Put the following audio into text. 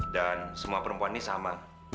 dan semua perempuan ini sama